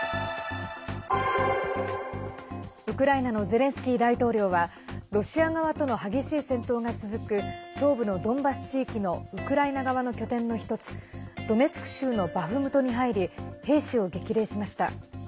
ウクライナのゼレンスキー大統領はロシア側との激しい戦闘が続く東部のドンバス地域のウクライナ側の拠点の１つドネツク州のバフムトに入り兵士を激励しました。